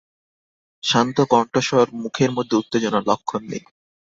শান্ত কণ্ঠস্বর, মুখের মধ্যে উত্তেজনার লক্ষণ নেই।